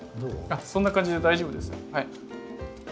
そんな感じで大丈夫です。